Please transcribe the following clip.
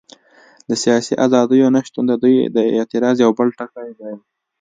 د سیاسي ازادیو نه شتون د دوی د اعتراض یو بل ټکی دی.